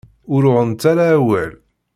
Ur uɣent ara awal.